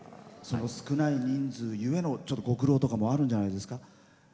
少ない人数ゆえのちょっとご苦労とかもあるんじゃないですか？